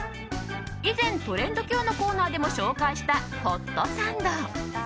以前、トレンドＱのコーナーでも紹介したホットサンド。